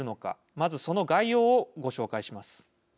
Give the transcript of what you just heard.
まず、その概要をご紹介します。